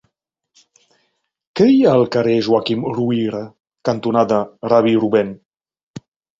Què hi ha al carrer Joaquim Ruyra cantonada Rabí Rubèn?